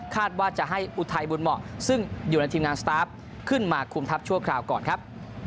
ว่าจะให้อุทัยบุญเหมาะซึ่งอยู่ในทีมงานสตาฟขึ้นมาคุมทัพชั่วคราวก่อนครับ